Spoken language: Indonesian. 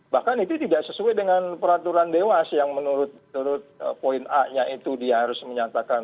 bahkan itu tidak sesuai dengan peraturan dewas yang menurut poin a nya itu dia harus menyatakan